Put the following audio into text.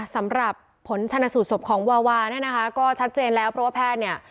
สำหรับผลชนสูตรศพของวาวาเนี่ยนะคะก็ชัดเจนแล้วเพราะว่าแพทย์เนี่ย